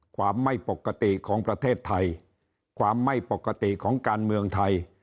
ความไม่ปกติของประเทศไทยความไม่ปกติของการเมืองไทย